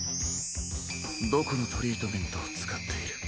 どこのトリートメントを使っている？